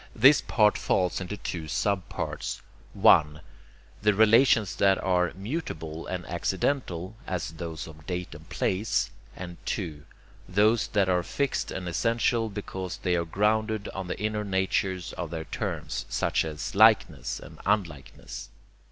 This part falls into two sub parts: 1) the relations that are mutable and accidental, as those of date and place; and 2) those that are fixed and essential because they are grounded on the inner natures of their terms such as likeness and unlikeness.